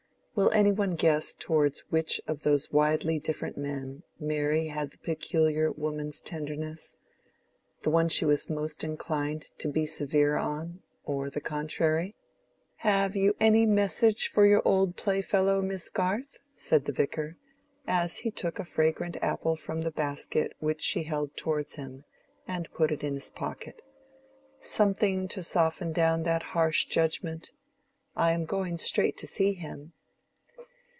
Will any one guess towards which of those widely different men Mary had the peculiar woman's tenderness?—the one she was most inclined to be severe on, or the contrary? "Have you any message for your old playfellow, Miss Garth?" said the Vicar, as he took a fragrant apple from the basket which she held towards him, and put it in his pocket. "Something to soften down that harsh judgment? I am going straight to see him."